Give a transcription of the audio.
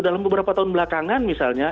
dalam beberapa tahun belakangan misalnya